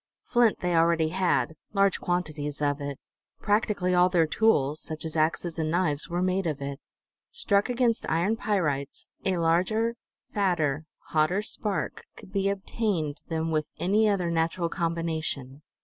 Flint they already had, large quantities of it; practically all their tools, such as axes and knives, were made of it. Struck against iron pyrites, a larger, fatter, hotter spark could be obtained than with any other natural combination.